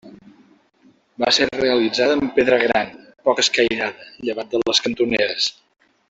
Va ser realitzada amb pedra gran, poc escairada, llevat de les cantoneres.